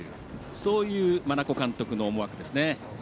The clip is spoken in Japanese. そういう真名子監督の思惑ですね。